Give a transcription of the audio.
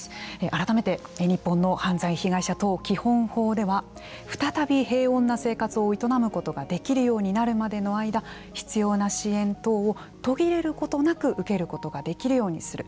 改めて、日本の犯罪被害者等基本法では再び平穏な生活を営むことができるようになるまでの間必要な支援等を途切れることなく受けることができるようにする。